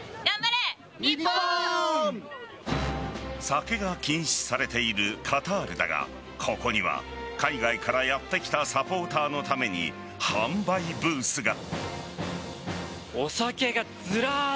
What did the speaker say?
酒が禁止されているカタールだがここには海外からやってきたサポーターのために販売ブースが。